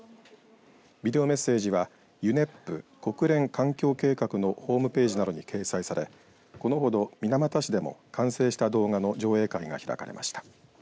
ビデオメッセージはＵＮＥＰ国連環境計画のホームページなどに掲載されこのほど水俣市でも完成した動画の上映会が開かれました。